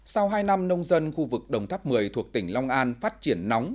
sau hai năm nông dân khu vực đồng tháp một mươi thuộc tỉnh long an phát triển nóng